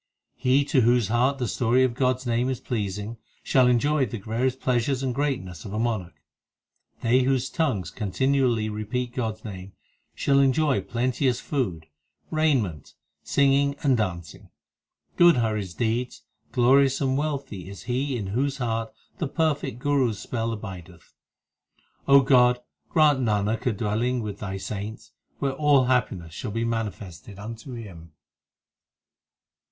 He to whose heart the story of God s name is pleasing, Shall enjoy the various pleasures and greatness of a monarch. They whose tongues continually repeat God s name, Shall enjoy plenteous food, raiment, singing, and dancing. S2 260 THE SIKH RELIGION Good are his deeds, glorious and wealthy is he In whose heart the perfect Guru s spell abideth. God, grant Nanak a dwelling with Thy saints, Where all happiness shall be manifested unto him.